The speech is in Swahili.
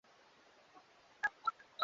aa kwa sababu ya kukosa soko na kadhalika